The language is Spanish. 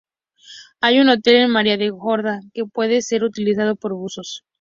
Hay un hotel en María la Gorda que puede ser utilizado por buzos.